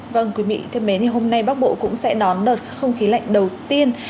vâng quý vị thân mến thì hôm nay bắc bộ cũng sẽ đón đợt không khí lạnh đầu tiên